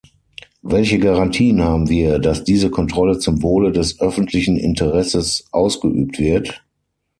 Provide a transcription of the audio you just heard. Welche Garantien haben wir, dass diese Kontrolle zum Wohle des öffentlichen Interesses ausgeübt wird?